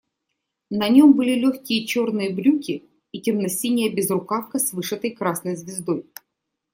На нем были легкие черные брюки и темно-синяя безрукавка с вышитой красной звездой.